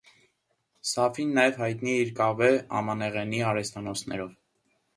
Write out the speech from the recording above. Սաֆին նաև հայտնի է իր կավե ամանեղենի արհեստանոցներով։